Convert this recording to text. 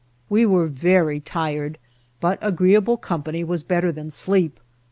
We were very tired, but agreeable company was better than sleep.